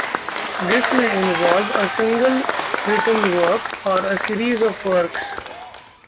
This may involve a single written work, or a series of works.